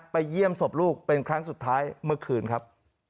เยี่ยมศพลูกเป็นครั้งสุดท้ายเมื่อคืนครับ